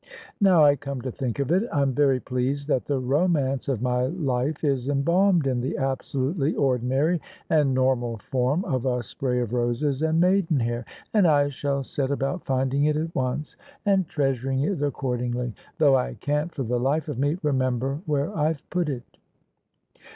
" Now I come to think of it, Tm very pleased that the romance of my life is embalmed in the absolutely ordinary and normal form of a spray of roses and maiden hair: and I shall set about finding it at once, and treasuring it accordingly; though J can't for the life of me remember where Fve put it."